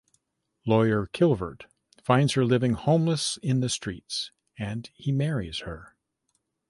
Lawyer Kilvert finds her living homeless in the streets and he marries her.